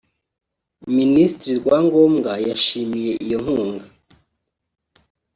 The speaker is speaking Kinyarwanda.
Minisitiri Rwangombwa yashimiye iyo nkunga